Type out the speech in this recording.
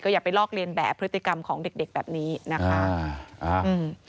ก็อย่าไปลอกเลียนแบบพฤติกรรมของเด็กแบบนี้นะคะ